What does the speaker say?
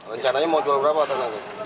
rencananya mau jual berapa tanah ini